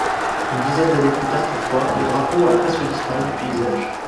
Une dizaine d'années plus tard toutefois, le drapeau a presque disparu du paysage.